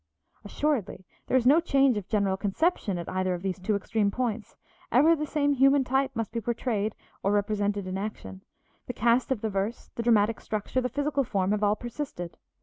Assuredly, there is no change of general conception at either of these two extreme points; ever the same human type must be portrayed or represented in action; the cast of the verse, the dramatic structure, the physical form have all persisted.